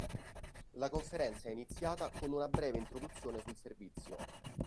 La conferenza è iniziata con una breve introduzione sul servizio.